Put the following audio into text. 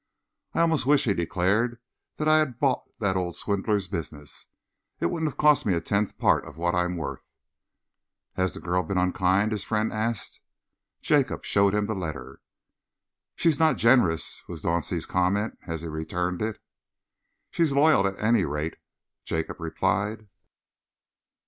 "I almost wish," he declared, "that I had bought that old swindler's business. It wouldn't have cost me a tenth part of what I am worth." "Has the girl been unkind?" his friend asked. Jacob showed him the letter. "She's not generous," was Dauncey's comment, as he returned it. "She's loyal, at any rate," Jacob replied.